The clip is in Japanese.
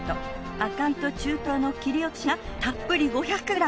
赤身と中トロの切り落としがたっぷり５００ｇ。